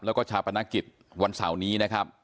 แล้วก็ชาวประณะกิจวันเสานนี้นะครับ